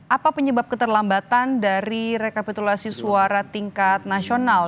apa penyebab keterlambatan dari rekapitulasi suara tingkat nasional